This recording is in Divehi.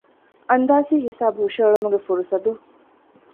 އަންދާސީ ހިސާބު ހުށަހެޅުމުގެ ފުރުޞަތު